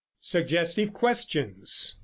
SUGGESTIVE QUESTIONS. 1.